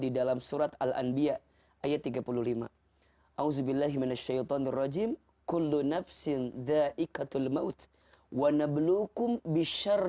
di dalam surat al anbiya